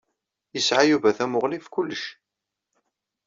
Yesɛa Yuba tamuɣli ɣef kullec.